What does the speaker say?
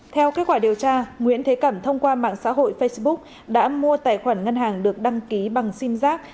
theo kết quả điều tra nguyễn thế cẩm thông qua mạng xã hội facebook đã mua tài khoản ngân hàng được đăng ký bằng sim giác